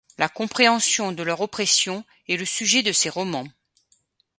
La compréhension de leur oppression est le sujet de ses romans.